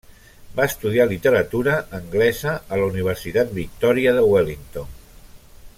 Va estudiar Literatura anglesa a la Universitat Victòria de Wellington.